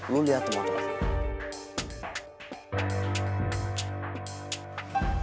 lo lihat tempat lain